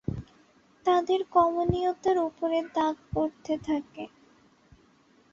তাদের কমনীয়তার উপের দাগ পড়তে থাকে।